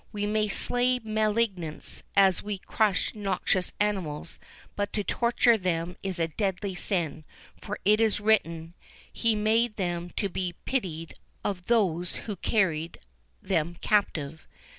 We may slay malignants as we crush noxious animals, but to torture them is a deadly sin; for it is written, 'He made them to be pitied of those who carried them captive.